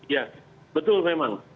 ya betul memang